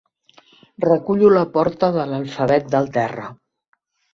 Recullo la porta de l'alfabet del terra.